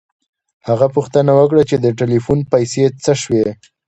هغه پوښتنه وکړه چې د ټیلیفون پیسې څه شوې